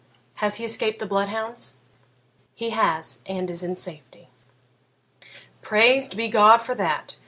has he escaped the bloodhounds?' 'He has, and is in safety.' 'Praised be God for that!